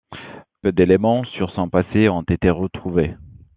Peu d'éléments sur son passé ont été retrouvés.